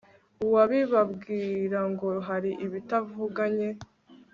uwabibambwira ngo hari ibitavuganye